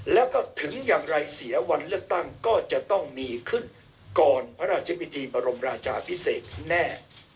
แล้วก็ถึงอย่างไรเสียวันเลือกตั้งก็จะต้องมีขึ้นก่อนพระราชพิธีบรมราชาพิเศษแน่